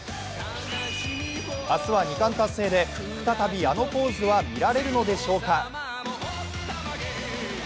明日は２冠達成で再びあのポーズは見られるのでしょうか。